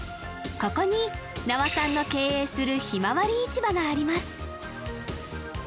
ここに那波さんの経営するひまわり市場があります